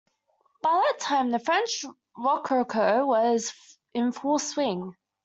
By that time the French Rococo was in full swing.